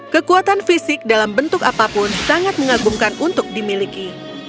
kekuatan fisik dalam bentuk apapun sangat mengagumkan untuk dimiliki